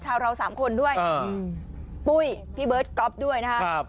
เราสามคนด้วยปุ้ยพี่เบิร์ตก๊อฟด้วยนะครับ